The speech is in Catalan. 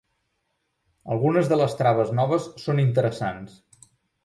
Algunes de les traves noves són interessants.